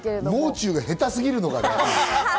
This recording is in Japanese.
もう中が下手すぎるのがね。